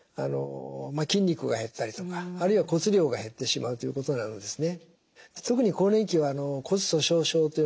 筋肉が減ったりとかあるいは骨量が減ってしまうということがあるんですね。